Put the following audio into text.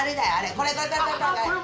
これこれこれこれ。